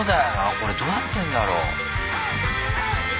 これどうやってんだろ。